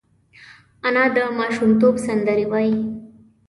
انا د ماشومتوب سندرې وايي